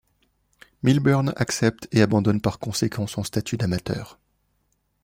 Milburn accepte et abandonne par conséquent son statut d'amateur.